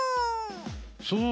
そう。